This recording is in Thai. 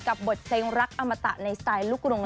บทเพลงรักอมตะในสไตล์ลูกกรุง